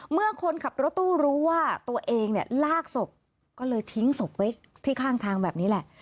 เมื่อคนขับรถตู้รู้ว่าตัวเองเนี่ยลากศพก็เลยทิ้งศพไว้ที่ข้างทางแบบนี้แหละ